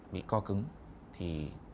bị co cứng thì